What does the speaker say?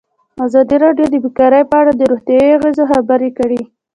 ازادي راډیو د بیکاري په اړه د روغتیایي اغېزو خبره کړې.